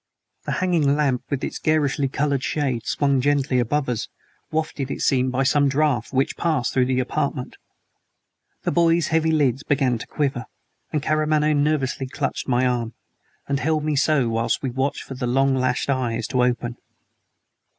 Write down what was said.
The hanging lamp with its garishly colored shade swung gently above us, wafted, it seemed, by some draught which passed through the apartment. The boy's heavy lids began to quiver, and Karamaneh nervously clutched my arm, and held me so whilst we watched for the long lashed eyes to open.